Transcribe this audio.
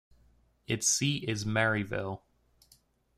Its seat is Marieville.